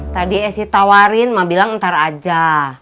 tadi esi tawarin emak bilang ntar aja